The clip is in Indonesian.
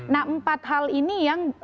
nah empat hal ini yang